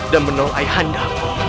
dan menolong ayah anda